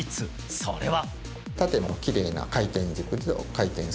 それは。